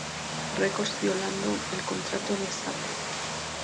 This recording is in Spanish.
Records violando el contrato de Zappa.